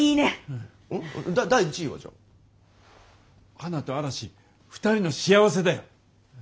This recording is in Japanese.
花と嵐２人の幸せだよ！